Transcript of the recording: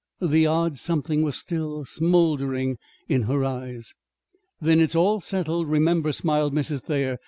The odd something was still smouldering in her eyes. "Then it's all settled, remember," smiled Mrs. Thayer.